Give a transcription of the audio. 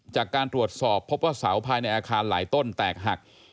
จากการตรวจสอบพบว่าเสาภายในอาคารหลายต้นแตกหัก